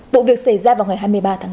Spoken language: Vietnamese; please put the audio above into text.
vụ việc xảy ra vào ngày hai mươi ba tháng bốn